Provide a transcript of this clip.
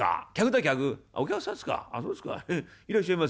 いらっしゃいませ。